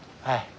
はい。